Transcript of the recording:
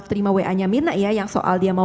terima wa nya mirna ya yang soal dia mau